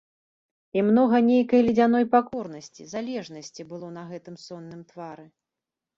І многа нейкай ледзяной пакорнасці, залежнасці было на гэтым сонным твары.